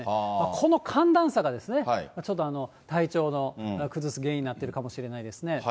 この寒暖差がちょっと、体調を崩す原因になっているかもしれませんね。